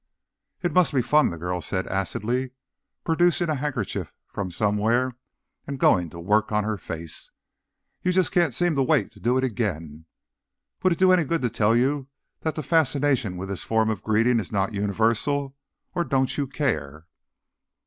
"It must be fun," the girl said acidly, producing a handkerchief from somewhere and going to work on her face. "You just can't seem to wait to do it again. Would it do any good to tell you that the fascination with this form of greeting is not universal? Or don't you care?"